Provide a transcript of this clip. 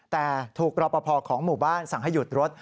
แต่ถูกรอปภของหมู่บ้านสั่งให้หยุดรถ